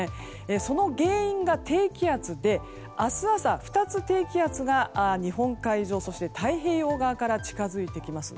その原因が低気圧で明日朝、２つの低気圧が日本海上、太平洋側から近づいてきます。